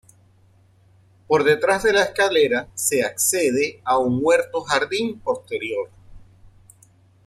Por detrás de la escalera se accede a un huerto-jardín posterior.